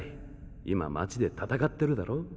今町で戦ってるだろ？